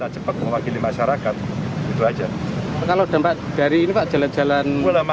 cepet wakili masyarakat itu aja kalau tempat dari ini pak jalan jalan